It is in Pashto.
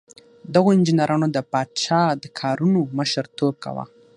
دغو انجینرانو د پادشاه د کارونو مشر توب کاوه.